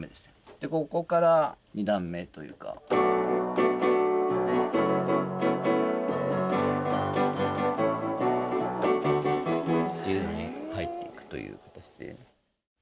でここから二段目というか。というのに入っていくという形で。